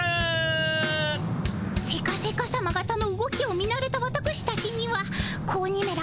セカセカさまがたの動きを見なれたわたくしたちには子鬼めら